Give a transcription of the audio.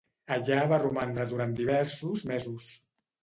Allà va romandre durant diversos mesos.